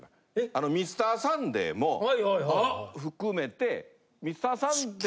あの『Ｍｒ．サンデー』も含めて。